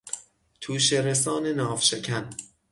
توشهرسان ناوشکن